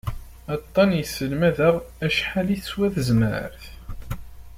Aṭṭan yesselmad-aɣ acḥal i teswa tezmert.